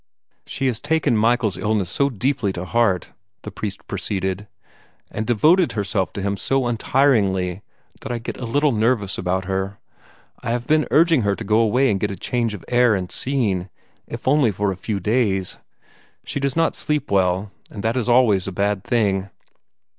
"She has taken Michael's illness so deeply to heart," the priest proceeded, "and devoted herself to him so untiringly that I get a little nervous about her. I have been urging her to go away and get a change of air and scene, if only for a few days. She does not sleep well, and that is always a bad thing."